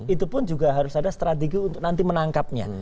itu pun juga harus ada strategi untuk nanti menangkapnya